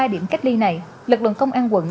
hai điểm cách ly này lực lượng công an quận